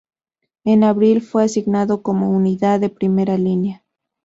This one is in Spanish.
En abril, fue asignado como unidad de primera línea.